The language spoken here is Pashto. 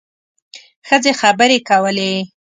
ښځې خبرې کولې.